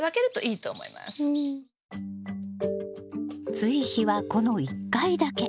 追肥はこの１回だけ。